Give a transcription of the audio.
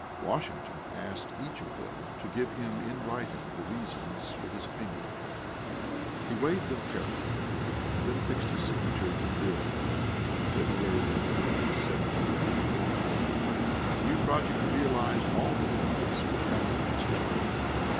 Washington asked each of them to give him in writing the reasons for his opinion. He weighed them carefully and then affixed his signature to the bill (February 25, 1791). The new project realized all the benefits which Hamilton expected.